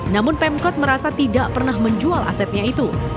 namun pemkot merasa tidak pernah menjual asetnya itu